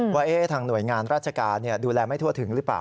ว่าทางหน่วยงานราชการดูแลไม่ทั่วถึงหรือเปล่า